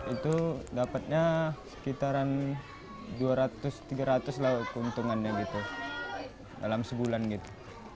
itu dapatnya sekitaran dua ratus tiga ratus lah keuntungannya gitu dalam sebulan gitu